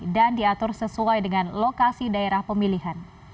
dan diatur sesuai dengan lokasi daerah pemilihan